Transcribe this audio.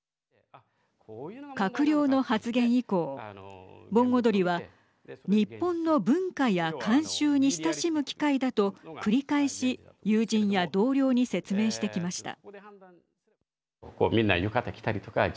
閣僚の発言以降盆踊りは日本の文化や慣習に親しむ機会だと繰り返し友人や同僚に説明してきました。